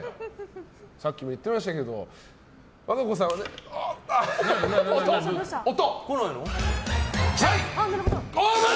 さっきも言ってましたけど和歌子さんは。あっ、音！